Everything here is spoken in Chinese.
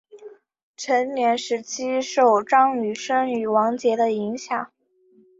成长时期受张雨生与王杰的影响。